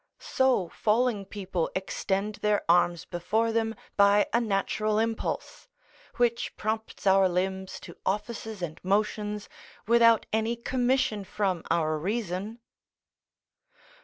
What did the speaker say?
] so falling people extend their arms before them by a natural impulse, which prompts our limbs to offices and motions without any commission from our reason.